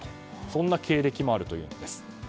そんな経歴もあるといいます。